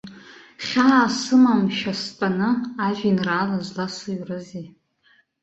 Хьаа сымамшәа стәаны, ажәеинраала зласыҩрызеи?